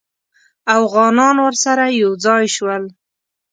اوغانان ورسره یو ځای شول.